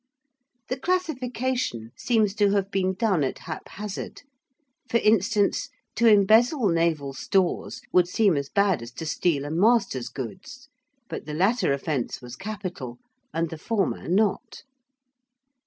The classification seems to have been done at haphazard: for instance, to embezzle naval stores would seem as bad as to steal a master's goods: but the latter offence was capital and the former not.